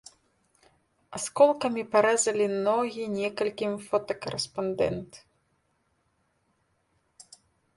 Асколкамі парэзалі ногі некалькім фотакарэспандэнт.